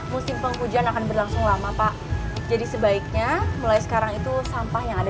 musim penghujan akan berlangsung lama pak jadi sebaiknya mulai sekarang itu sampah yang ada